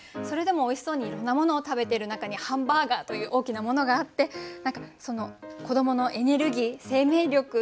それでもおいしそうにいろんなものを食べている中にハンバーガーという大きなものがあって何かその子どものエネルギー生命力